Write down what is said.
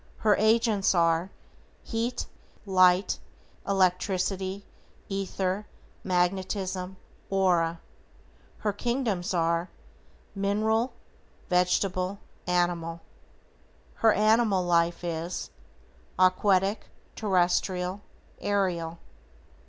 Her agents are: Heat, Light, Electricity; Ether, Magnetism, Aura. Her kingdoms are: Mineral, Vegetable, Animal. Her animal life is: Aquatic, Terrestrial, Aerial.